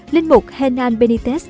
linh mục hernán benítez